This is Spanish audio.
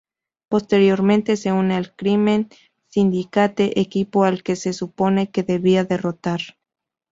Posteriormente se une al Crime Syndicate, equipo al que se supone que debía derrotar.